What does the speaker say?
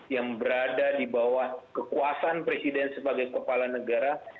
yang berada di bawah kekuasaan presiden sebagai kepala negara